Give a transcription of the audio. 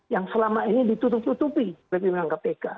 yang selama ini ditutup tutupi oleh pimpinan kpk